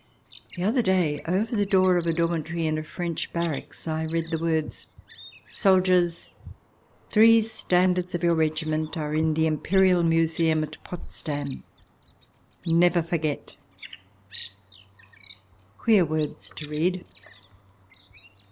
The other day, over the door of a dormitory in a French barracks, I read the words :" Soldiers ! Three standards of your regiment are in the Im perial Museum at Potsdam. Never forget !" Queer words to read